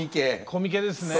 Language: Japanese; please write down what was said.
コミケですね。